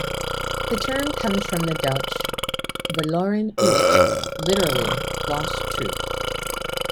The term comes from the Dutch "verloren hoop", literally "lost troop".